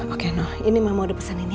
oke nono ini mama udah pesenin ya